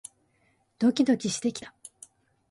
ドキドキしてきた